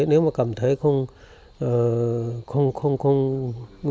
nếu mà cảm thấy không